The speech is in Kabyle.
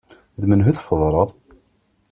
D menhu tfeḍreḍ?